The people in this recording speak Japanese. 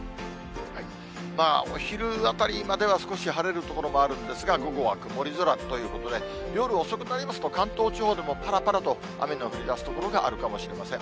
お昼あたりまでは少し晴れる所もあるんですが、午後は曇り空ということで、夜遅くになりますと、関東地方でもぱらぱらと雨の降りだす所があるかもしれません。